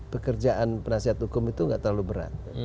pekerjaan penasihat hukum itu tidak terlalu berat